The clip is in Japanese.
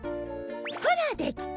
ほらできた！